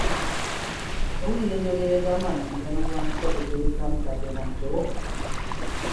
Owulira enjogera egamba nti, "Mugano gwa nswa teguleka mukadde na muto" .